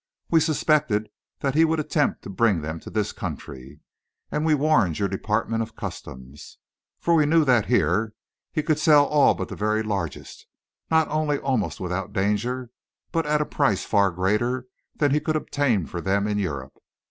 We suspected that he would attempt to bring them to this country, and we warned your department of customs. For we knew that here he could sell all but the very largest not only almost without danger, but at a price far greater than he could obtain for them in Europe.